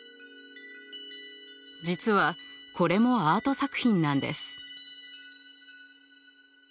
実はこれもアート作品なんです。